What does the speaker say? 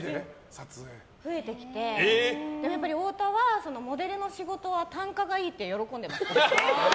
最近増えてきてでも、太田はモデルの仕事は単価がいいって喜んでます。